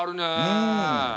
うん。